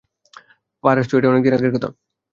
পারাসু, এটা অনেক দিন আগের কথা।